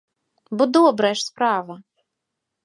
Бо добрая ж справа!